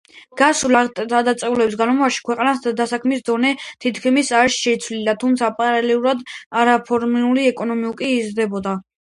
გასული ათწლეული განმავლობაში ქვეყანაში დასაქმების დონე თითქმის არ შეცვლილა, თუმცა პარალელურად არაფორმალური ეკონომიკა იზრდებოდა.